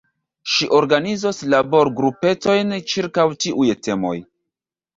Ŝi organizos laborgrupetojn ĉirkaŭ tiuj temoj.